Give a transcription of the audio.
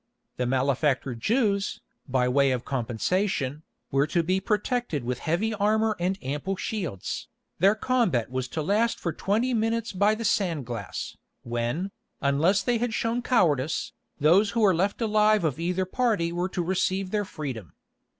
The malefactor Jews, by way of compensation, were to be protected with heavy armour and ample shields. Their combat was to last for twenty minutes by the sand glass, when, unless they had shown cowardice, those who were left alive of either party were to receive their freedom.